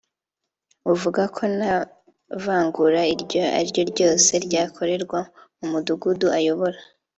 uvuga ko nta vangura iryo ariryo ryose ryakorerwa mu mudugudu ayobora